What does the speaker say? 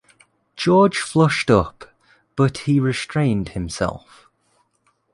George flushed up, but he restrained himself.